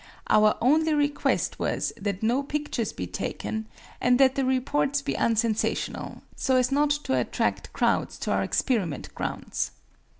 Our only request was that no pictures be taken, and that the reports be unsensational, so as not to attract crowds to our experiment grounds.